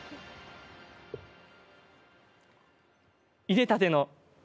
いれたての。